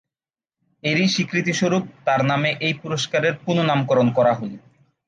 এরই স্বীকৃতি স্বরূপ তার নামে এই পুরস্কারের পুনঃনামকরণ করা হল।